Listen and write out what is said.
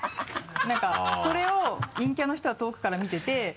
何かそれを陰キャの人は遠くから見てて。